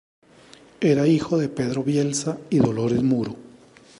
Era hijo de Pedro Bielsa y Dolores Muro.